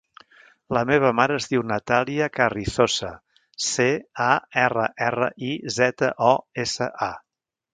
La meva mare es diu Natàlia Carrizosa: ce, a, erra, erra, i, zeta, o, essa, a.